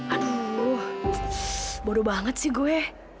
aduh baru banget sih gue